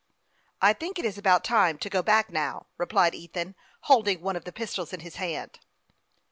" I think it is about time to go back, now," replied Ethan, holding one of the pistols in his hand.